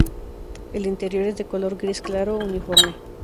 El interior es de color gris claro uniforme.